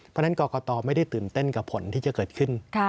เพราะฉะนั้นกรกตไม่ได้ตื่นเต้นกับผลที่จะเกิดขึ้น